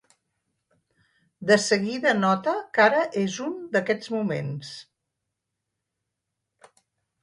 De seguida nota que ara és un d'aquests moments.